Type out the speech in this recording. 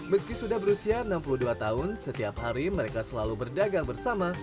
meski sudah berusia enam puluh dua tahun setiap hari mereka selalu berdagang bersama